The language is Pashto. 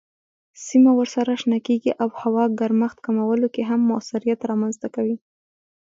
سیمه ورسره شنه کیږي او هوا ګرمښت کمولو کې هم موثریت رامنځ کوي.